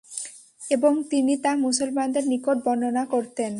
এবং তিনি তা মুসলমানদের নিকট বর্ণনা করতেন।